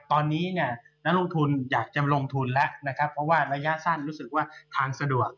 พี่หนิงครับส่วนตอนนี้เนี่ยนักลงทุนอยากจะลงทุนแล้วนะครับเพราะว่าระยะสั้นรู้สึกว่าทางสะดวกนะครับ